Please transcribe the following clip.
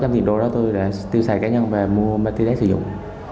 sáu trăm linh thỉnh đô đó tôi đã tiêu sài cá nhân và mua tiền để sử dụng